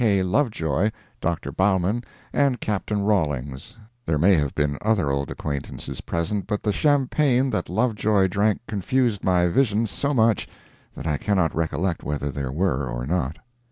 K. Lovejoy, Dr. Bowman, and Captain Rawlings—there may have been other old acquaintances present, but the champagne that Lovejoy drank confused my vision so much that I cannot recollect whether there were or not.